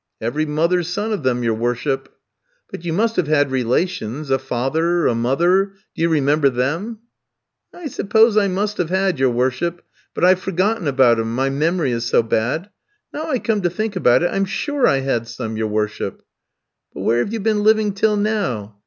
"'Every mother's son of them, your worship.' "'But you must have had relations a father, a mother. Do you remember them?' "'I suppose I must have had, your worship; but I've forgotten about 'em, my memory is so bad. Now I come to think about it, I'm sure I had some, your worship.' "'But where have you been living till now?'